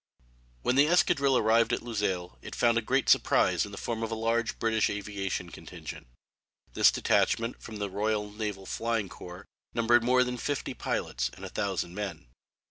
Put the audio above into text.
When the escadrille arrived at Luxeuil it found a great surprise in the form of a large British aviation contingent. This detachment from the Royal Navy Flying Corps numbered more than fifty pilots and a thousand men.